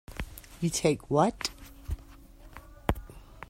You take what?